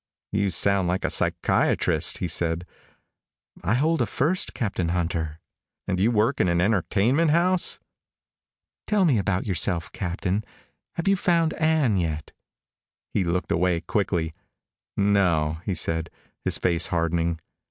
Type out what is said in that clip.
"You sound like a psychiatrist," he said. "I hold a First, Captain Hunter." "And you work in an entertainment house?" "Tell me about yourself, Captain. Have you found Ann yet?" He looked away quickly. "No," he said, his face hardening.